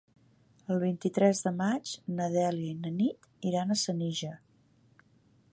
El vint-i-tres de maig na Dèlia i na Nit iran a Senija.